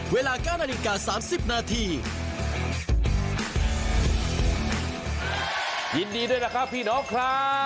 วินดีด้วยนะคะพี่น้องครับ